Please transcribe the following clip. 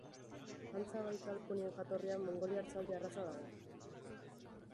Antza Baikal ponien jatorrian mongoliar zaldi arraza dago.